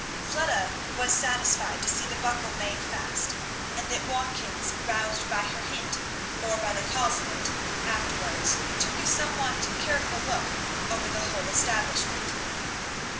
Fleda was satisfied to see the buckle made fast, and that Watkins, roused by her hint or by the cause of it, afterwards took a somewhat careful look over the whole establishment.